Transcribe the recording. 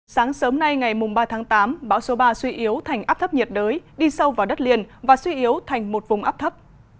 sáng sớm nay ngày ba tháng tám bão số ba suy yếu thành áp thấp nhiệt đới đi sâu vào đất liền và suy yếu thành một vùng áp thấp